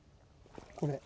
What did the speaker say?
これ。